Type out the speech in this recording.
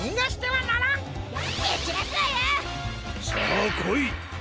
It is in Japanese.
さあこい！